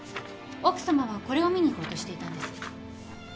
奥さまはこれを見に行こうとしていたんです。